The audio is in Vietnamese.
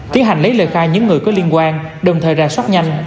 tiến hành lấy lời khai những người có liên quan đồng thời ra soát nhanh